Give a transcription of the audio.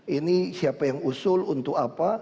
ini siapa yang usul untuk apa